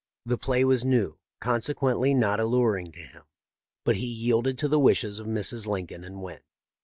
The play was new, consequently not alluring to him ; but he yielded to the wishes of Mrs. Lincoln and went.